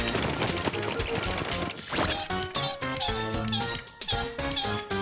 ピッピッピッピッピッ？